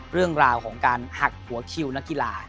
เรื่องราวของการหักหัวคิวนักกีฬา